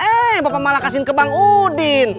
eh bapak malah kasih ke bang udin